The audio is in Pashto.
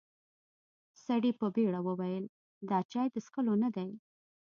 سړي په بيړه وويل: دا چای د څښلو نه دی.